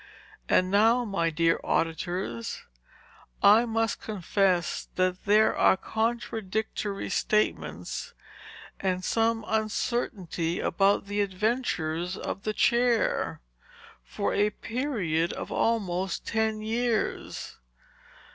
And now, my dear auditors, I must confess that there are contradictory statements and some uncertainty about the adventures of the chair, for a period of almost ten years.